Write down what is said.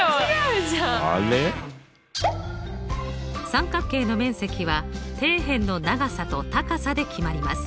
三角形の面積は底辺の長さと高さで決まります。